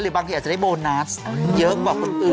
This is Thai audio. บางทีอาจจะได้โบนัสเยอะกว่าคนอื่น